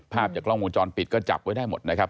ภาพจากกล้องวงจรปิดก็จับไว้ได้หมดนะครับ